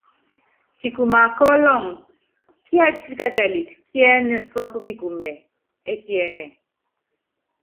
Kikuma kɔ́ ɔlɔŋɔ kíɛ́píkɛkɛlitɛ kiɛ́nɛ sɔ́kɔ́ kikumɛ ɛ́kiɛ́nɛ.